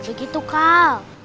dan begitu kal